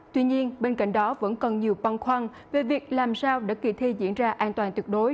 tuy nhiên bên cạnh đó vẫn còn nhiều băn khoăn về việc làm sao để kỳ thi diễn ra an toàn tuyệt đối